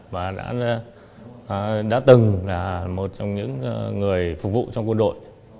và đã từng là một trong những người phục vụ trong quân đội